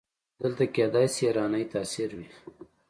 دلته کیدای شي ایرانی تاثیر وي.